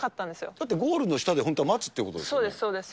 だってゴールの下で本当は待つということですよね。